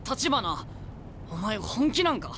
お前本気なんか？